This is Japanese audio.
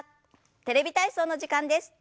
「テレビ体操」の時間です。